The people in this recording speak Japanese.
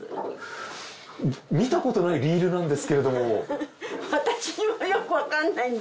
見たことないリールなんですけれども。